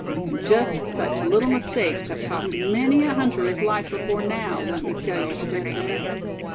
And just such little mistakes have cost many a hunter his life before now, let me tell you, Step Hen."